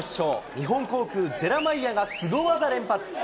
日本航空、ジェラマイアがスゴ技連発。